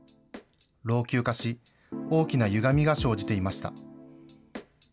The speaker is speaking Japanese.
老朽化し、大きなゆがみが生じていました。